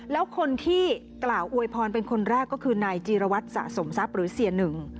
แล้วคนที่กล่าวอวยพรเป็นคนแรกก็คือนายจีรวัตรสะสมทรัพย์หรือเสียหนึ่ง